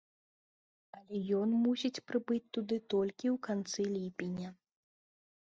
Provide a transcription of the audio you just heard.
Але ён мусіць прыбыць туды толькі ў канцы ліпеня.